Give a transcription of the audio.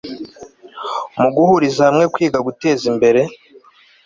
mu guhuriza hamwe kwiga guteza imbere